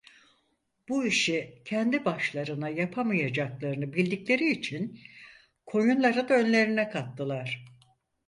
Bu işi kendi başlarına yapamayacaklarını bildikleri için koyunları da önlerine kattılar: